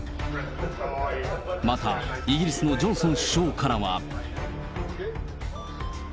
また、イギリスのジョンソン首相からは。